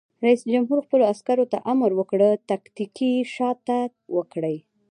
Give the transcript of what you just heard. رئیس جمهور خپلو عسکرو ته امر وکړ؛ تکتیکي شاتګ وکړئ!